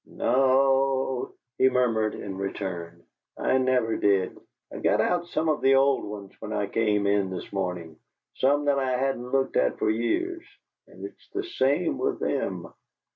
"No," he murmured, in return. "I never did. I got out some of the old ones when I came in this morning, some that I hadn't looked at for years, and it's the same with them.